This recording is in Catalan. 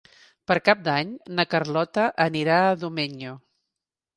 Per Cap d'Any na Carlota anirà a Domenyo.